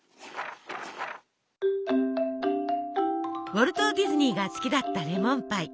ウォルト・ディズニーが好きだったレモンパイ。